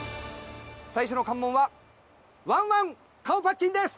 最初の関門はわんわん顔パッチンです。